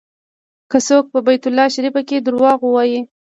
که څوک په بیت الله شریف کې دروغ ووایي.